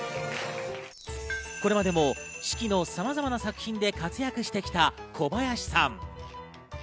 これまでも四季のさまざまな作品で活躍してきた小林さん。